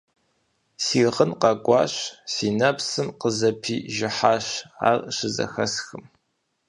Си гъын къэкӀуащ, си нэпсым къызэпижыхьащ, ар щызэхэсхым…